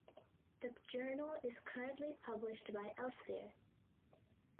The journal is currently published by Elsevier.